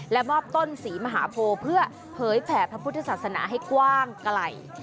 และมอบต้นศรีมหาโพเพื่อเผยแผ่พระพุทธศาสนาให้กว้างไกล